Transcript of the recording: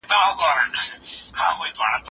د هرات په صنعت کي کومې فابریکې فعالې دي؟